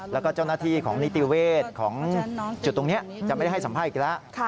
แล้วก็เจ้าหน้าที่ของนิติเวศของจุดตรงนี้จะไม่ได้ให้สัมภาษณ์อีกแล้ว